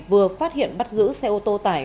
vừa phát hiện bắt giữ xe ô tô tải